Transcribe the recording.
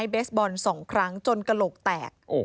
เบสบอล๒ครั้งจนกระโหลกแตก